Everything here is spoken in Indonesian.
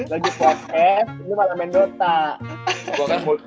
lagi podcast lu malah main dota